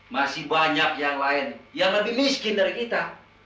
masih banyak yang lain yang lebih miskin dari kita